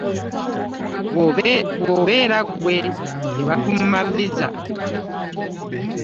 Bw’obeera ggwe ne bakumma visa.